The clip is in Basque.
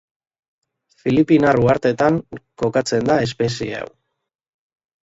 Filipinar uhartetan kokatzen da espezie hau